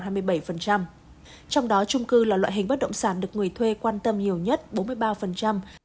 trong đó trung cư là loại hình bất động sản được người thuê quan tâm nhiều nhất bốn mươi ba